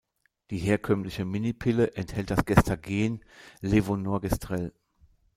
Die herkömmliche Minipille enthält das Gestagen Levonorgestrel.